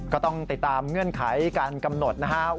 ก็ต้องติดตามเงื่อนไขการกำหนดนะครับ